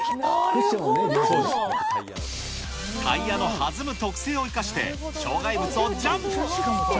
タイヤの弾む特性を生かして、障害物をジャンプ。